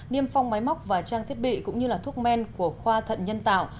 niêm phong máy móc và trang thiết bị cũng như thuốc men của khoa thận nhân tạo